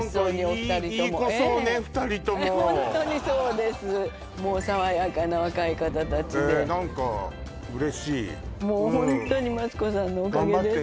二人ともホントにそうですもう爽やかな若い方達で何か嬉しいもうホントにマツコさんのおかげです